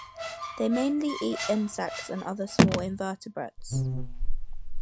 They mainly eat insects and other small invertebrates.